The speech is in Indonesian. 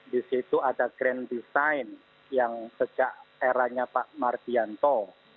di situ ada grand design yang sejak eranya pak mardianto